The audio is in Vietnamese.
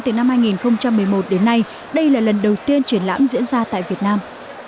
từ năm hai nghìn một mươi một đến nay đây là lần đầu tiên triển lãm diễn ra tại việt nam